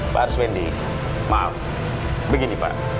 pak arswendi maaf begini pak